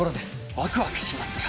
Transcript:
ワクワクしますよ